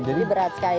jadi berat sekali